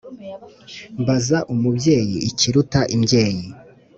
Mbaze umubyeyi ikiruta imbyeyi